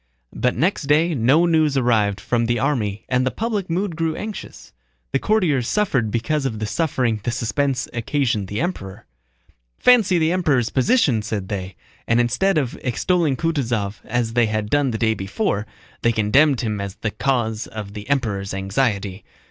But next day no news arrived from the army and the public mood grew anxious. The courtiers suffered because of the suffering the suspense occasioned the Emperor. "Fancy the Emperor's position!" said they, and instead of extolling Kutúzov as they had done the day before, they condemned him as the cause of the Emperor's anxiety.